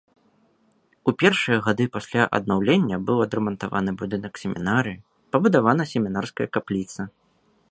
У першыя гады пасля аднаўлення быў адрамантаваны будынак семінарыі, пабудавана семінарская капліца.